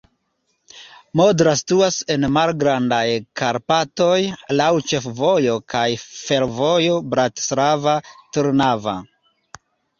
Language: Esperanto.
Modra situas en Malgrandaj Karpatoj, laŭ ĉefvojo kaj fervojo Bratislava-Trnava.